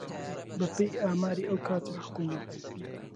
بەپێی ئاماری ئەو کاتی حکوومەت